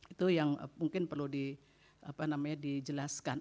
itu yang mungkin perlu dijelaskan